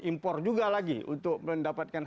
impor juga lagi untuk mendapatkan